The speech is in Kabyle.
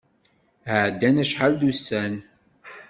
Ɛeddan acḥal d ussan.